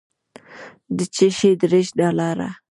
د چشي دېرش ډالره.